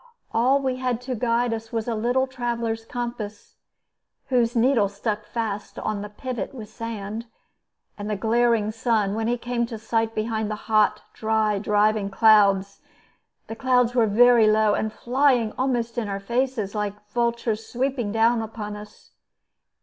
All we had to guide us was a little traveler's compass (whose needle stuck fast on the pivot with sand) and the glaring sun, when he came to sight behind the hot, dry, driving clouds. The clouds were very low, and flying almost in our faces, like vultures sweeping down on us.